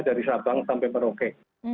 bisa banget sampai beroke